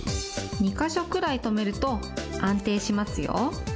２か所くらい留めると、安定しますよ。